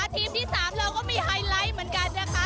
ทีมที่๓เราก็มีไฮไลท์เหมือนกันนะคะ